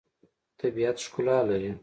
طبیعت ښکلا لري.